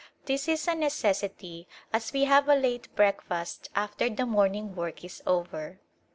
This is a ne cessity as we have a late breakfast after the morning work is over.